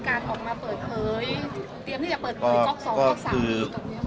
ไม่ดีหรอกมันยังไม่ดีไม่ดี